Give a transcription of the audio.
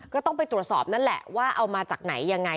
ก็ต้องไปตรวจสอบนั่นแหละว่าเอามาจากไหนยังไง